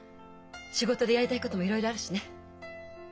仕事でやりたいこともいろいろあるしね。